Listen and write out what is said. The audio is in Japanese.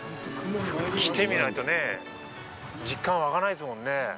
来てみないと実感が湧かないですもんね。